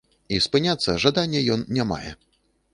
І спыняцца жадання ён не мае.